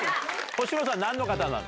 星野さん何の方なの？